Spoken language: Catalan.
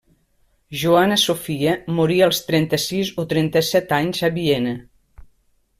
Joana Sofia morí als trenta-sis o trenta-set anys a Viena.